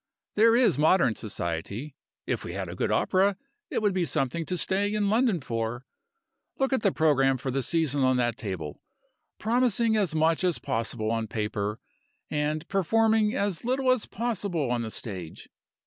There is modern society. If we had a good opera, it would be something to stay in London for. Look at the programme for the season on that table promising as much as possible on paper, and performing as little as possible on the stage.